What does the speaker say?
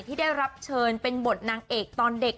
ที่ได้รับเชิญเป็นบทนางเอกตอนเด็ก